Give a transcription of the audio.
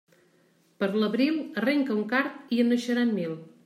Per l'abril arrenca un card i en naixeran mil.